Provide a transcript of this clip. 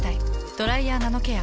「ドライヤーナノケア」。